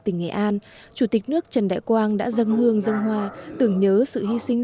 tỉnh nghệ an chủ tịch nước trần đại quang đã dâng hương dân hoa tưởng nhớ sự hy sinh